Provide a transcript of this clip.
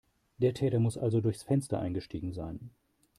Der Täter muss also durchs Fenster eingestiegen sein.